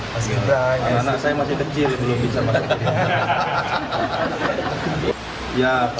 mas gerindra anak anak saya masih kecil belum bisa masuk ke gerindra